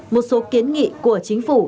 một số kiến nghị của chính phủ